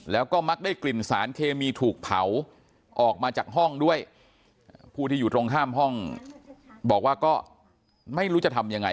แล้วก็มักได้กลิ่นสารเคมีถูกเผาออกมาจากห้องด้วยผู้ที่อยู่ตรงข้ามห้องบอกว่าก็ไม่รู้จะทำยังไง